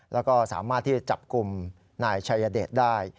แล้วก็สามารถที่จะจับกลุ่มนายชัยเดชได้